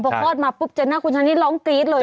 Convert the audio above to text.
พอคลอดมาปุ๊บเจอหน้าคุณชันนี่ร้องกรี๊ดเลย